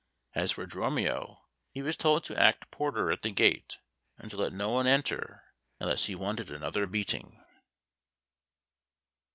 As for Dromio, he was told to act porter at the gate, and to let no one enter unless he wanted another beating.